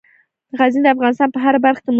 غزني د افغانستان په هره برخه کې موندل کېږي.